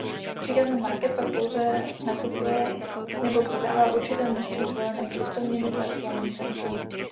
Příkazem Market pak pouze nakupuje nebo prodává určité množství zvolené kryptoměny za aktuální cenu.